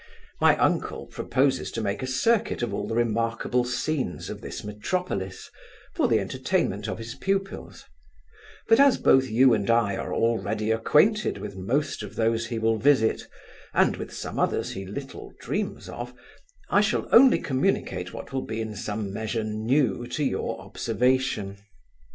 My uncle proposes to make a circuit of all the remarkable scenes of this metropolis, for the entertainment of his pupils; but as both you and I are already acquainted with most of those he will visit, and with some others he little dreams of, I shall only communicate what will be in some measure new to your observation.